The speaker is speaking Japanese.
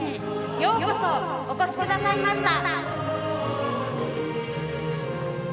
「ようこそお越しくださいました！」。